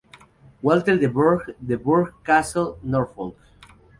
Walter de Burgh de Burgh Castle, Norfolk.